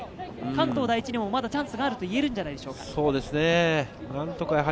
関東第一にもまだチャンスがあるといえるんじゃないでしょうか？